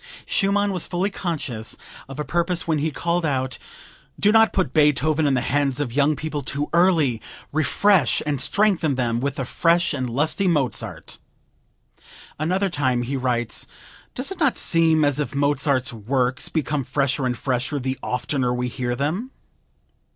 Schumann was fully conscious of a purpose when he called out, "Do not put Beethoven in the hands of young people too early; refresh and strengthen them with the fresh and lusty Mozart." Another time he writes: "Does it not seem as if Mozart's works become fresher and fresher the oftener we hear them?"